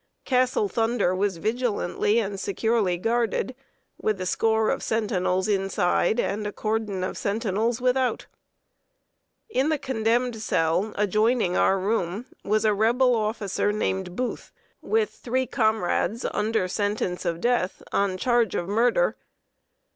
Castle Thunder was vigilantly and securely guarded, with a score of sentinels inside, and a cordon of sentinels without. [Sidenote: ESCAPE BY KILLING A GUARD.] In the condemned cell adjoining our room was a Rebel officer named Booth, with three comrades, under sentence of death on charge of murder.